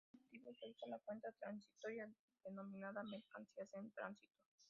Por ese motivo, se usa la cuenta transitoria denominada "mercancías en tránsito.